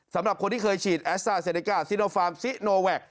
สำหรับคนที่เคยฉีดแอสต้าเซเนก้าซิโนฟาร์มซิโนแวค